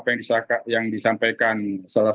semua informasi yang berkembang di publik permasalahan